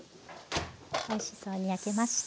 おいしそうに焼けました。